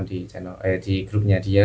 di grupnya dia